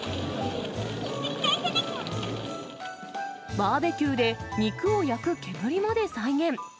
バーベキューで肉を焼く煙まで再現。